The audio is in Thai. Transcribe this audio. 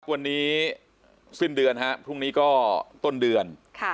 วันนี้สิ้นเดือนฮะพรุ่งนี้ก็ต้นเดือน